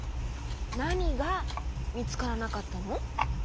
なにがみつからなかったの？